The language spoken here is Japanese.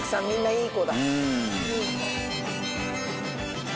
みんないい子だ。